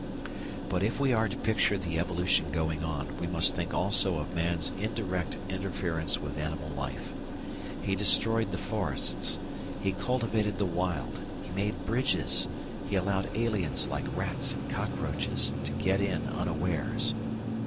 But if we are to picture the evolution going on, we must think also of man's indirect interference with animal life. He destroyed the forests, he cultivated the wild, he made bridges, he allowed aliens, like rats and cockroaches, to get in unawares.